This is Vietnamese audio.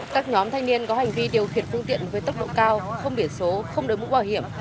các nhóm thanh niên có hành vi điều khiển phương tiện với tốc độ cao không biển số không đối mũ bảo hiểm